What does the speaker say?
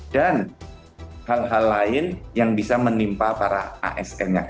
dan hal hal lain yang bisa menimpa para asn nya